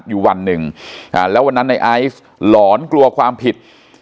อยู่วันหนึ่งแล้ววันนั้นในไอซ์หลอนกลัวความผิด